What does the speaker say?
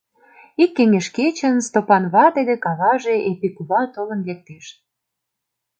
Ик кеҥеж кечын Стопан вате дек аваже, Епи кува, толын лектеш.